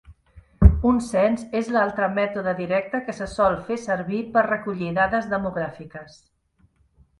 Un cens és l'altre mètode directe que se sol fer servir per recollir dades demogràfiques.